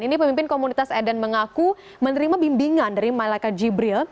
ini pemimpin komunitas eden mengaku menerima bimbingan dari malaikat jibril